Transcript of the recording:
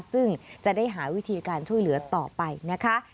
ซึ่งจะได้หาวิธีการช่วยเหลือต่อไปนะคะ